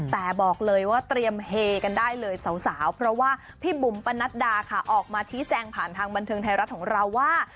แต่บอกเลยว่าเตรียมเฮกันได้เลยสาวเพราะว่าพี่บุ๋มปนัดดาค่ะออกมาชี้แจงผ่านทางบันเทิงไทยรัฐของเราว่า